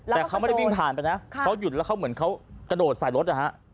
แต่เขาไม่ได้วิ่งผ่านไปนะเขาหยุดแล้วเขาเหมือนเขากระโดดใส่รถนะฮะ